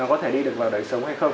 có thể đi được vào đời sống hay không